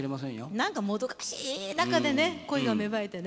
何かもどかしい中でね恋が芽生えてね。